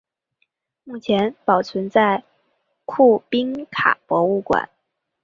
目前保存在库宾卡博物馆。